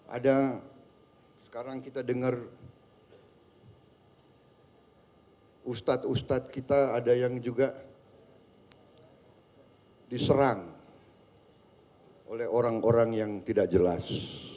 ada sekarang kita dengar ustadz ustadz kita ada yang juga diserang oleh orang orang yang tidak jelas